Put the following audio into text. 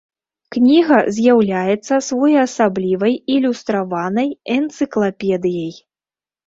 Кніга з'яўляецца своеасаблівай ілюстраванай энцыклапедыяй.